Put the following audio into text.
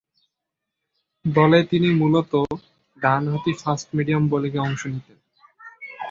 দলে তিনি মূলতঃ ডানহাতি ফাস্ট-মিডিয়াম বোলিংয়ে অংশ নিতেন।